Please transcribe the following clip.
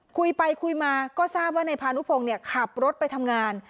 คุยไปคุยมาก็ทราบว่านายพานุพงศ์ขับรถไปทำงาน